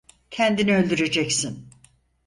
Kendini öldüreceksin.